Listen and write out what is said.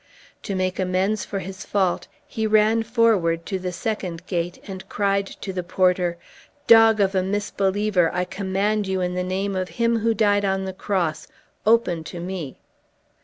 To make amends for his fault he ran forward to the second gate, and cried to the porter, "Dog of a misbeliever, I command you in the name of Him who died on the cross, open to me!"